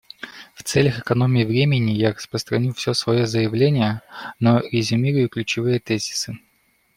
В целях экономии времени я распространю все свое заявление, но резюмирую ключевые тезисы.